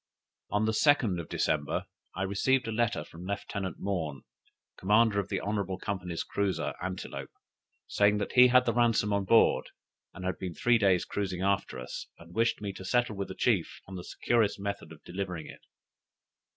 On the 2d of December I received a letter from Lieutenant Maughn, commander of the Honorable Company's cruiser Antelope, saying that he had the ransom on board, and had been three days cruising after us, and wished me to settle with the chief on the securest method of delivering it.